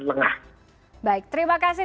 lengah baik terima kasih